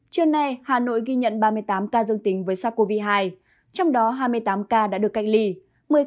trưa nay hà nội ghi nhận ba mươi tám ca dương tính với sars cov hai trong đó hai mươi tám ca đã được cách ly